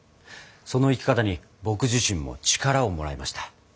その生き方に僕自身も力をもらいました。